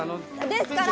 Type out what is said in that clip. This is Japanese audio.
ですから。